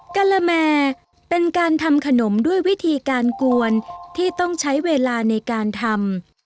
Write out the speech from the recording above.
กะละแมเป็นการทำขนมด้วยวิธีการกวนที่ต้องใช้เวลาในการทำ